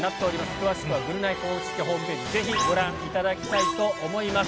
詳しくはぐるナイ公式ホームページ、ぜひご覧いただきたいと思います。